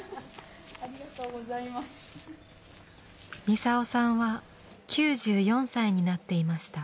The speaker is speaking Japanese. ミサオさんは９４歳になっていました。